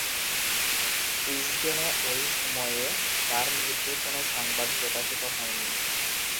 উইজডেনে ঐ সময়ে তার মৃত্যুর কোন সংবাদ প্রকাশিত হয়নি।